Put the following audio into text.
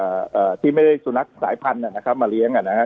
เอ่อเอ่อที่ไม่ได้สุนัขสายพันธุ์นะครับมาเลี้ยงอ่ะนะฮะ